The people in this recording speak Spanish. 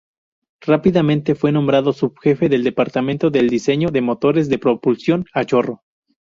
Rápidamente fue nombrado subjefe del departamento del diseño de motores de propulsión a chorro.